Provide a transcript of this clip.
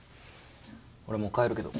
俺もう帰るけど。